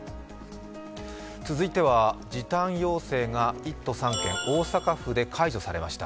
続いては、時短要請が１都３県大阪府で解除されました。